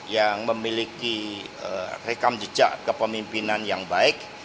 yang memiliki rekam jejak kepemimpinan yang baik